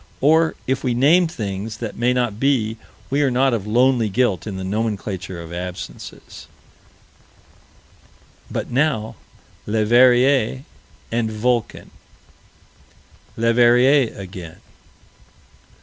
Or, if we name things that may not be, we are not of lonely guilt in the nomenclature of absences But now Leverrier and "Vulcan." Leverrier again.